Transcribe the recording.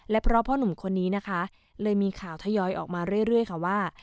และเพราะพ่อหนุ่มคนนี้นะคะเลยมีข่าวทยอยออกมาเรื่อยค่ะว่า